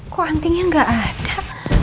kok antingnya gak ada